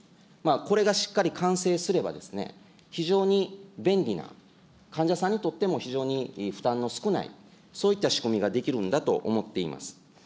これがしっかり完成すればですね、非常に便利な、患者さんにとっても非常に負担の少ない、そういった仕組みができるんだと思っています。